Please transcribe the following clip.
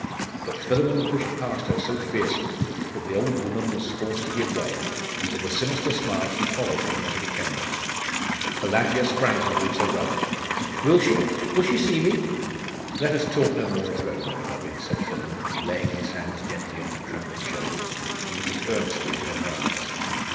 But Philammon pushed past her so fiercely, that the old woman was forced to give way, and with a sinister smile she followed him into the chamber. Pelagia sprang towards her brother. 'Will she? will she see me?' 'Let us talk no more of her, my beloved,' said Philammon, laying his hands gently on her trembling shoulders, and looking earnestly into her eyes....